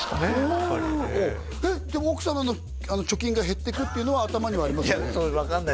やっぱりえっでも奥様の貯金が減っていくっていうのは頭にはありますよね？